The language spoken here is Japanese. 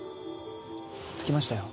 着きましたよ。